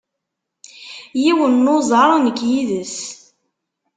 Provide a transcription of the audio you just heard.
Yiwen n uẓar nekk yid-s.